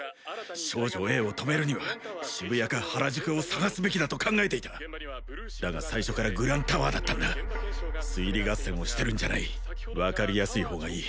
少女Ａを止めるには渋谷か原宿を探すべきだと考えていただが最初からグランタワーだったんだ推理合戦をしてるんじゃない分かりやすい方がいい